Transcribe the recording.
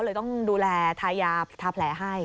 เลยต้องดูแลทายาทาแผลให้